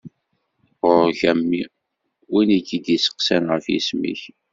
Ɣur-k a mmi! Win i k-id-iseqsan ɣef yisem-ik.